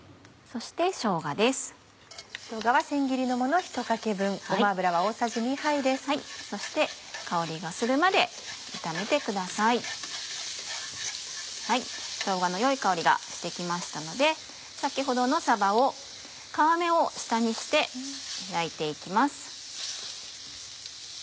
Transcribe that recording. しょうがの良い香りがして来ましたので先ほどのさばを皮目を下にして焼いて行きます。